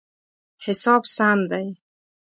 حساب سم دی